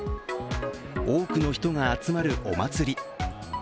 多くの人が集まるお祭り。